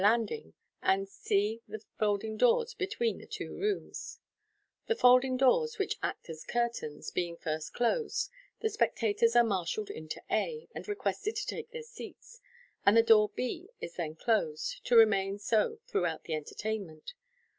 landing, and c c the folding doors between the two rooms The folding doors (which act as curtain) being first closed, the spectators are marshalled into A, and requested to take their seats, and the door b is then closed, to remain so throughout the entertainment.